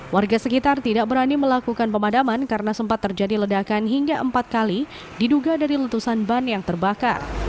warga sekitar tidak berani melakukan pemadaman karena sempat terjadi ledakan hingga empat kali diduga dari letusan ban yang terbakar